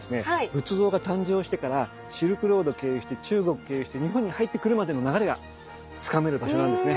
仏像が誕生してからシルクロード経由して中国経由して日本に入ってくるまでの流れがつかめる場所なんですね。